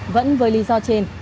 vẫn với lý do trên